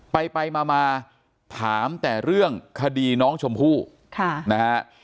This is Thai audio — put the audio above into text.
ไปไปมามาถามแต่เรื่องคดีน้องชมพู่ค่ะนะฮะ